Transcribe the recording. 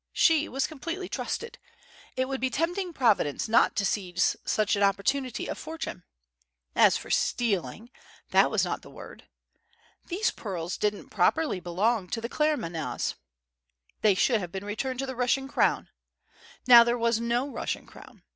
She was completely trusted. It would be tempting Providence not to seize such an opportunity of fortune! As for "stealing," that was not the word. These pearls didn't properly belong to the Claremanaghs. They should have been returned to the Russian Crown. Now, there was no Russian crown.